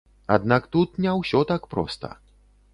Аднак, тут не ўсё так проста.